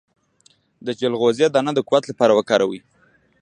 د چلغوزي دانه د قوت لپاره وکاروئ